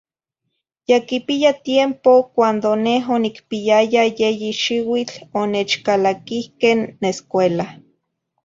Ya quipiya tiempo cuando neh onicpiyaya yeyi xiuitl onechcalaquihqueh n escuela.